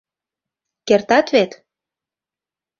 Кертат вет?